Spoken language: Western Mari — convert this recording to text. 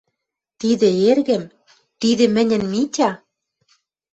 «Тидӹ эргӹм? Тидӹ мӹньӹн Митя? —